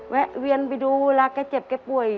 แวะเวียนไปดูเวลาแกเจ็บแกป่วย